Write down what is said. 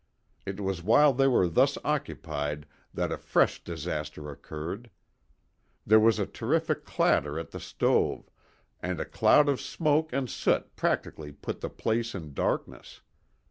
It was while they were thus occupied that a fresh disaster occurred. There was a terrific clatter at the stove, and a cloud of smoke and soot practically put the place in darkness.